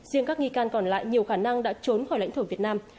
riêng các nghi can còn lại nhiều khả năng đã trốn khỏi lãnh thổ việt nam